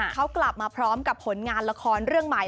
เขากลับมาพร้อมกับผลงานละครเรื่องใหม่